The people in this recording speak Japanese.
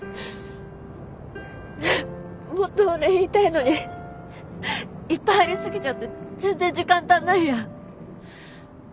もっとお礼言いたいのにいっぱいありすぎちゃって全然時間足んないや。